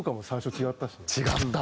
違った。